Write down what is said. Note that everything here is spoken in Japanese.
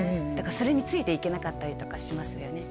それについていけなかったりとかしますよね